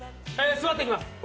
座っていきます。